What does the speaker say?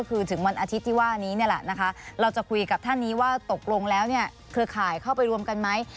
คือถึงวันอาทิตย์ที่ว่านี้นี่แหละนะคะเราจะคุยกับท่านนี้ว่าตกลงแล้วเนี่ยเครือข่ายเข้าไปรวมกันไหม